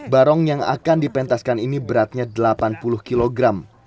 barong yang akan dipentaskan ini beratnya delapan puluh kg